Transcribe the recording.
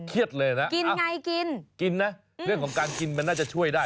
เครียดเลยนะเอ้ากินไงกินนะเรื่องของการกินมันน่าจะช่วยได้